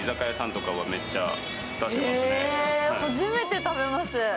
初めて食べます。